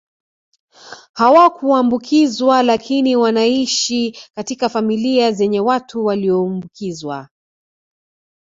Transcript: Hawakuambukizwa lakini wanaishi katika familia zenye watu waliombukizwa